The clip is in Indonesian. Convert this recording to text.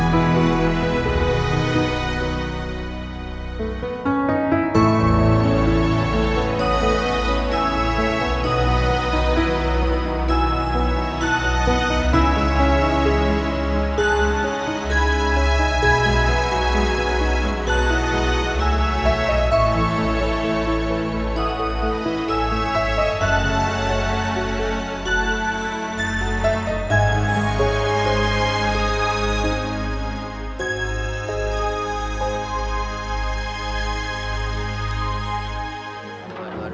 kita langsung bener bener